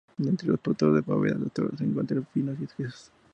Entre los productos de La Bóveda de Toro se encuentran vinos y quesos.